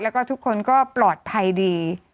แล้วก็ทุกคนก็ปลอดภัยดี